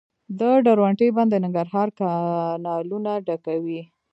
د درونټې بند د ننګرهار کانالونه ډکوي